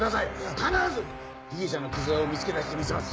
必ず被疑者の木沢を見つけ出してみせます！